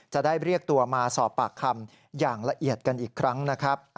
จะได้เรียกตัวมาสอบปากคำอย่างละเอียดกันอีกครั้งนะครับ